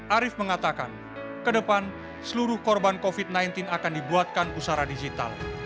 arief mengatakan ke depan seluruh korban covid sembilan belas akan dibuatkan pusara digital